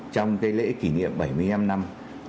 trong cái lễ kỷ niệm bảy mươi năm năm